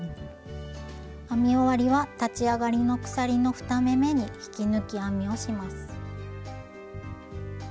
編み終わりは立ち上がりの鎖の２目めに引き抜き編みをします。